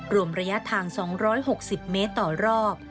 รวมระยะทาง๒๖๐เมตรต่อรอบ